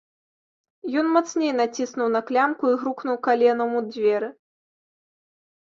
Ён мацней націснуў на клямку і грукнуў каленам у дзверы.